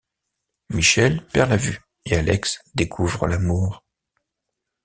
Michèle perd la vue, et Alex découvre l'amour.